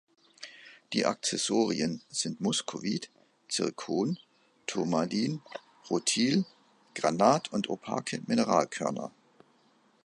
Die Akzessorien sind Muskovit, Zirkon, Turmalin, Rutil, Granat und opake Mineralkörner.